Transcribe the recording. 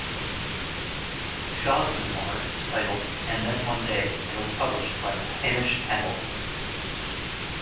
Shah's memoir is titled "And Then One Day", and was published by Hamish Hamilton.